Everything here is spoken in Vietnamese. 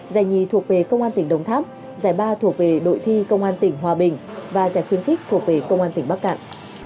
giải nhì thuộc về công an tỉnh đồng tháp giải ba thuộc về đội thi công an tỉnh hòa bình và giải khuyến khích thuộc về công an tỉnh bắc cạn